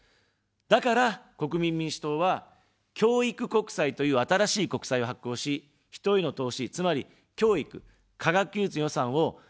だから、国民民主党は、教育国債という新しい国債を発行し、人への投資、つまり、教育、科学技術の予算を倍増させます。